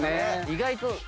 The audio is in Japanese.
意外と。